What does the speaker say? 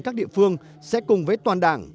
các địa phương sẽ cùng với toàn đảng